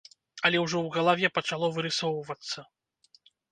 Але ўжо ў галаве пачало вырысоўвацца.